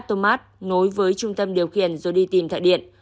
anh tuấn đã ngắt atomat nối với trung tâm điều khiển rồi đi tìm thợ điện